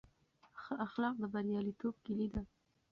ښه اخلاق د بریالیتوب کیلي ده.